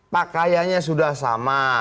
pakaiannya sudah sama